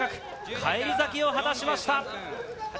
返り咲きを果たしました。